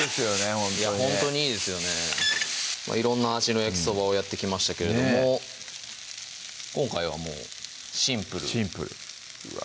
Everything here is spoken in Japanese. ほんとにほんとにいいですよね色んな味の焼きそばをやってきましたけれども今回はもうシンプルシンプルうわ